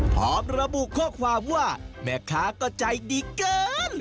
พร้อมระบุข้อความว่าแม่ค้าก็ใจดีเกิน